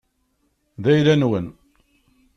D ayla-nwen.